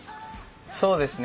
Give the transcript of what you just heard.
そうですね